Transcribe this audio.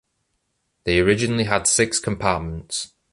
They originally had six compartments.